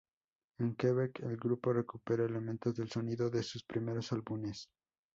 En "Quebec" el grupo recupera elementos del sonido de sus primeros álbumes.